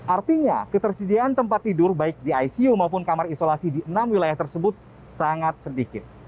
artinya ketersediaan tempat tidur baik di icu maupun kamar isolasi di enam wilayah tersebut sangat sedikit